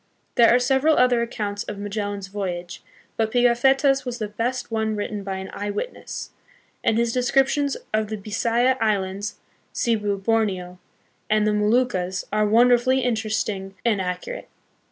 1 There are several other accounts of Magellan's voyage; but Pigafetta's was the best one written by an eye witness, and his descriptions of the Bisaya Islands, Cebu, Borneo, and the Moluccas are won derfully interesting and accurate.